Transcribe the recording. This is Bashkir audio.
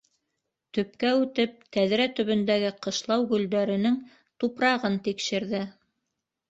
Төпкә үтеп, тәҙрә төбөндәге ҡышлау гөлдәренең тупрағын тикшерҙе.